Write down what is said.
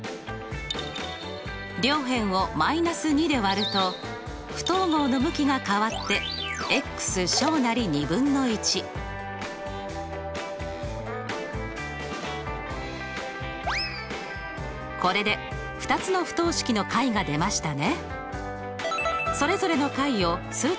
両辺を−２で割ると不等号の向きが変わってこれで２つの不等式の解が出ましたね。